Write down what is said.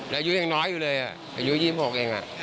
แล้วอายุยังน้อยอยู่เลยอายุ๒๖เอง